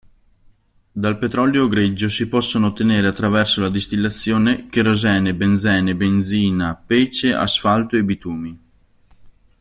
Dal petrolio greggio si possono ottenere attraverso la distillazione cherosene, benzene, benzina, pece, asfalto e bitumi.